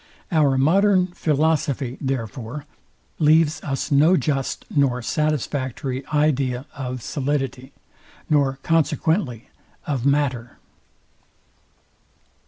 Our modern philosophy, therefore, leaves us no just nor satisfactory idea of solidity; nor consequently of matter.